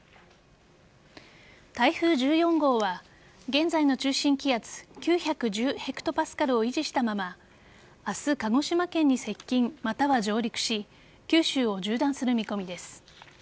台風１４号は現在の中心気圧９１０ヘクトパスカルを維持したまま明日、鹿児島県に接近または上陸し九州を縦断する見込みです。